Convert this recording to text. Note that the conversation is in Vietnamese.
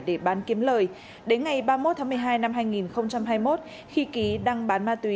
để bán kiếm lời đến ngày ba mươi một tháng một mươi hai năm hai nghìn hai mươi một khi ký đang bán ma túy